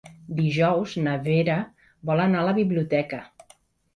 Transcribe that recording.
Dijous na Vera vol anar a la biblioteca.